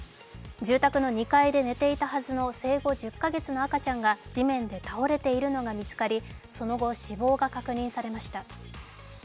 住宅の２階で寝ていたはずの生後１０か月の赤ちゃんが地面で倒れているのが見つかり、その後、死亡が確認されました。